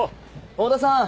太田さん